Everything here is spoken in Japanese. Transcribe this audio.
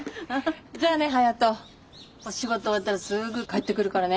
じゃあね颯人お仕事終わったらすぐ帰ってくるからね。